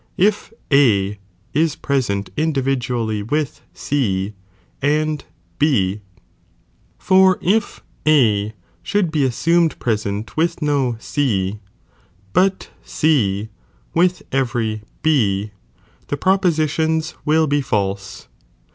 if iimi ;n»«i Id A is present individually with C and B, for if A "' should be assumed present with no C, but C with every B, the propositions will be false.